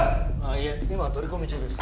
いえ今は取り込み中です